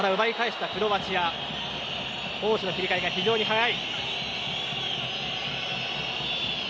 クロアチア攻守の切り替えが非常に速い。